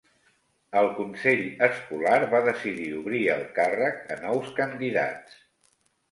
El consell escolar va decidir obrir el càrrec a nous candidats.